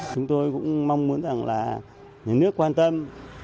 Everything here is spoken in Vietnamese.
chúng tôi cũng mong muốn rằng là nhà nước quan tâm